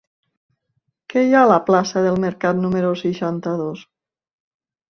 Què hi ha a la plaça del Mercat número seixanta-dos?